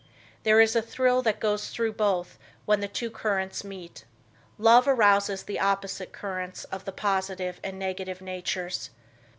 There is a thrill that goes through both when the two currents meet. Love arouses the opposite currents of the positive and negative natures.